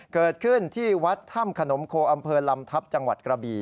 เกิดขึ้นที่วัดถ้ำขนมโคอำเภอลำทัพจังหวัดกระบี่